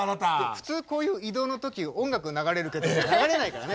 普通こういう移動の時音楽流れるけど流れないからね。